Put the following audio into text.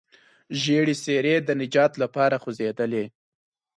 ژېړې څېرې د نجات لپاره خوځېدلې.